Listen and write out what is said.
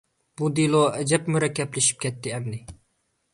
بۇ دېلو ئەجەب مۇرەككەپلىشىپ كەتتى ئەمدى.